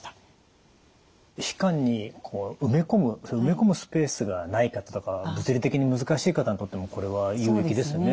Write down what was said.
皮下に植え込むスペースがない方とか物理的に難しい方にとってもこれは有益ですね。